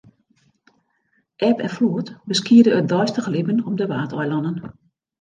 Eb en floed beskiede it deistich libben op de Waadeilannen.